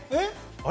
あれ？